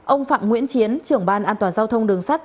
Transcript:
ông phạm nguyễn chiến trưởng ban an toàn giao thông đường sắt